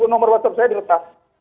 nomor whatsapp saya diretas